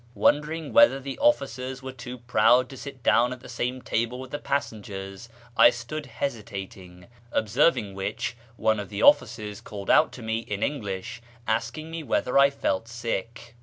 Wondering whether the officers were too proud to sit down at the same table with the passengers, I stood hesitating, observing wdiich, one of the officers called out to me in English, asking me whether I felt sick.